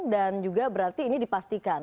dan juga berarti ini dipastikan